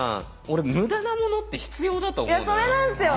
俺無駄なものって必要だと思うんだよ。